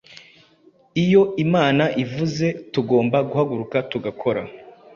Iyo Imana ivuze tugomba guhaguruka tugakora